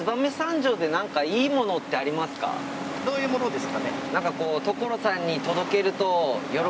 どういうものですかね？